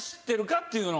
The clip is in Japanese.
っていうの。